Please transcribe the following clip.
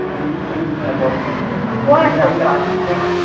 ঈশ্বরের সন্তানসন্ততি যে তোমার প্রভুরই সন্তান।